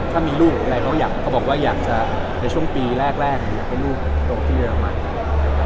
ถ้ามีลูกอะไรเขาบอกว่าอยากจะในช่วงปีแรกให้ลูกโรคที่เรียกมา